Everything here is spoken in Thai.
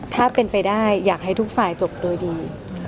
ถ้าเป็นไปได้อยากให้ทุกฝ่ายจบโดยดี